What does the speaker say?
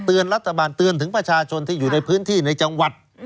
รัฐบาลเตือนถึงประชาชนที่อยู่ในพื้นที่ในจังหวัด